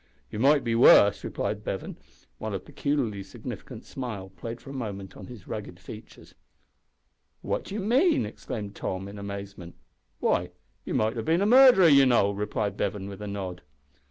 "You might be worse," replied Bevan, while a peculiarly significant smile played for a moment on his rugged features. "What do you mean?" exclaimed Tom, in amazement. "Why, you might have bin a murderer, you know," replied Bevan, with a nod.